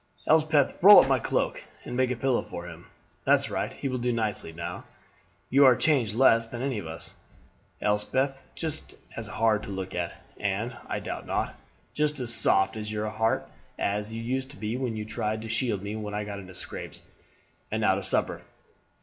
Elspeth, roll up my cloak and make a pillow for him. That's right, he will do nicely now. You are changed less than any of us, Elspeth. Just as hard to look at, and, I doubt not, just as soft at heart as you used to be when you tried to shield me when I got into scrapes. And now to supper."